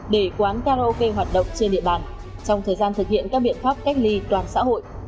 để quán karaoke hoạt động trên địa bàn trong thời gian thực hiện các biện pháp cách ly toàn xã hội